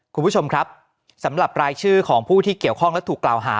คุณผู้ชมครับสำหรับรายชื่อของผู้ที่เกี่ยวข้องและถูกกล่าวหา